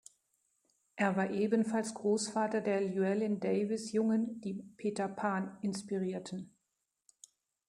Er war ebenfalls Großvater der Llewelyn-Davies-Jungen, die "Peter Pan" inspirierten.